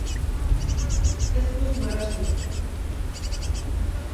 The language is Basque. Eskuz marrazten du.